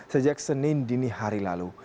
sejak senin dini hari lalu